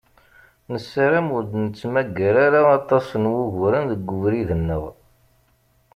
Nessaram ur d-nettmagger ara aṭas n wuguren deg ubrid-nneɣ.